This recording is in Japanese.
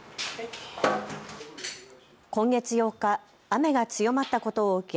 今月８日、雨が強まったことを受け